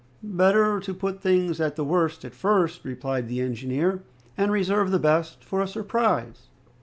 "Better to put things at the worst at first," replied the engineer, "and reserve the best for a surprise."